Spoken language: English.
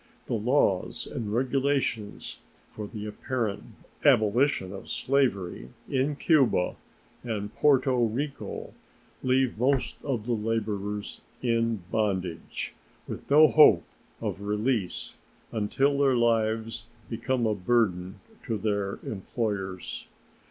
The laws and regulations for the apparent abolition of slavery in Cuba and Porto Rico leave most of the laborers in bondage, with no hope of release until their lives become a burden to their employers.